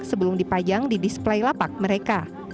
sebelum dipajang di display lapak mereka